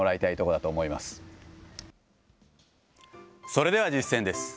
それでは実践です。